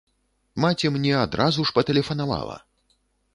Маці мне адразу ж патэлефанавала!